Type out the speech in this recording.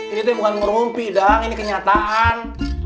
ini tuh bukan ngerumpi dang ini kenyataan